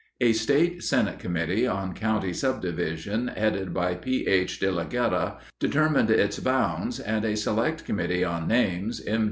A State Senate Committee on County Subdivision, headed by P. H. de la Guerra, determined its bounds, and a Select Committee on Names, M.